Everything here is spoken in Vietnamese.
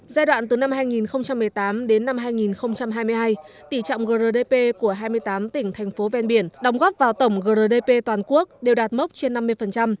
giai đoạn từ năm hai nghìn một mươi tám đến năm hai nghìn hai mươi hai tỷ trọng grdp của hai mươi tám tỉnh thành phố ven biển đồng góp vào tổng grdp toàn quốc đều đạt mốc trên năm mươi